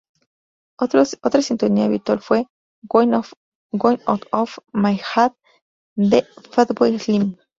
Otra sintonía habitual fue "Going out of my head" de Fatboy Slim.